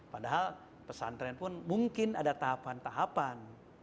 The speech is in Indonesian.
padahal pesantren pun mungkin ada tahapan tahapan